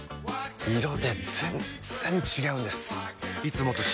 色で全然違うんです！